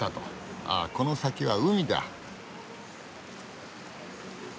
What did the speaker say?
ああこの先は海だ。